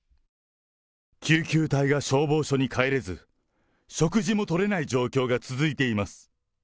救急隊が消防署に帰れず、食事もとれない状況が続いています。